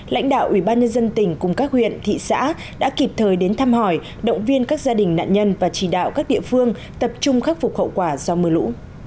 lãnh đạo ủy ban nhân dân tỉnh cùng các huyện thị xã đã kịp thời đến thăm hỏi động viên các gia đình nạn nhân và chỉ đạo các địa phương tập trung khắc phục hậu quả do mưa lũ